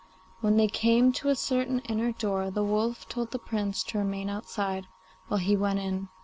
When they came to a certain inner door the wolf told the Prince to remain outside, while he went in.